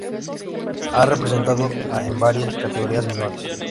Ha representado a en varias categorías menores.